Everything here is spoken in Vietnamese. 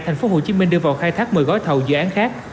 thành phố hồ chí minh đưa vào khai thác một mươi gói thầu dự án khác